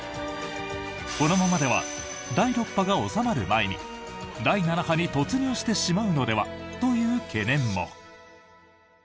このままでは第６波が収まる前に第７波に突入してしまうのではという懸念も。